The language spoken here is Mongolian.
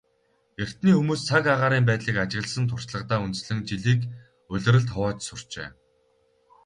Эртний хүмүүс цаг агаарын байдлыг ажигласан туршлагадаа үндэслэн жилийг улиралд хувааж сурчээ.